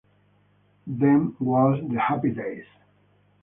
Them Was the Happy Days!